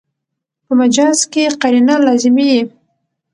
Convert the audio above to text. په مجاز کښي قرینه لازمي يي.